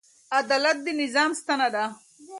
عدالت د نظام ستنه ده.